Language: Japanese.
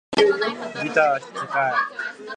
ギター弾きたい